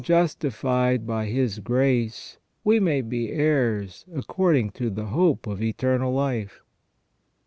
justified by His grace, we may be heirs according to the hope of eternal life